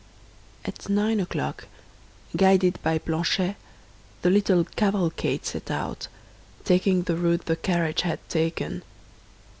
At nine o'clock, guided by Planchet, the little cavalcade set out, taking the route the carriage had taken.